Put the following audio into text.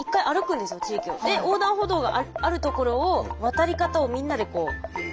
で横断歩道がある所を渡り方をみんなでこう。